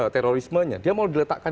terorismenya dia mau diletakkan